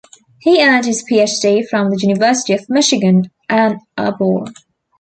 He earned his PhD from the University of Michigan, Ann Arbor.